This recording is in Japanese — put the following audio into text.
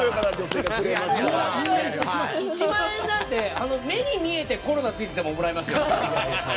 １万円なんて目に見えてコロナついててももらいますからね。